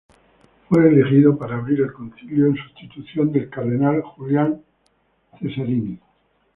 Fue elegido para abrir el concilio en sustitución del Cardenal Julian Cesarini.